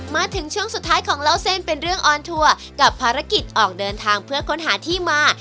มาถึงช่วงสุดท้ายของเล่าเส้นเป็นเรื่องออนทัวร์กับภารกิจออกเดินทางเพื่อค้นหาที่มา